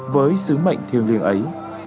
với sứ mệnh thiêng liền ấy